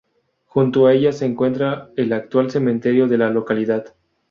Junto a ella se encuentra el actual cementerio de la localidad.